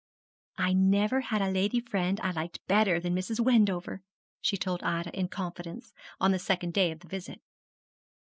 'I never had a lady friend I liked better than Mrs. Wendover,' she told Ida, in confidence, on the second day of the visit.